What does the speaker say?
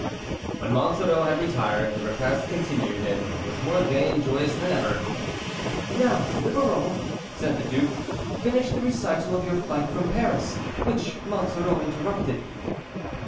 When Monsoreau had retired, the repast continued, and was more gay and joyous than ever. "Now, Livarot," said the duke, "finish the recital of your flight from Paris, which Monsoreau interrupted."